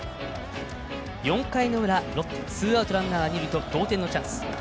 ４回の裏、ロッテツーアウト、ランナー、二塁と同点のチャンス。